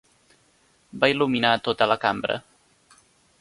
Va il·luminar tota la cambra.